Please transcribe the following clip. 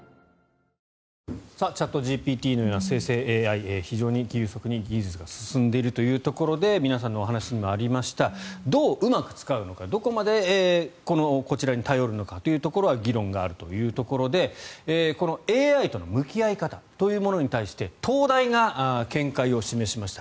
チャットＧＰＴのような生成ＡＩ非常に急速に技術が進んでいるというところで皆さんのお話にもありましたどううまく使うのかどこまでこちらに頼るのかは議論があるというところでこのＡＩとの向き合い方というものに対して東大が見解を示しました。